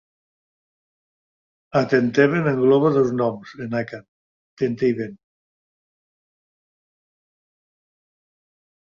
Atenteben engloba dos noms en àkan: "atente" i "ben".